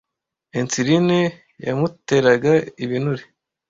Insuline yamuteraga ibinure.